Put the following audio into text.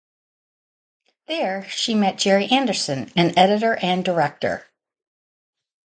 There, she met Gerry Anderson, an editor and director.